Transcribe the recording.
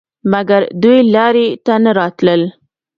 مګر دوی لارې ته نه راتلل.